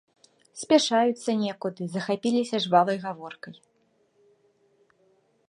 Спяшаюцца некуды, захапіліся жвавай гаворкай.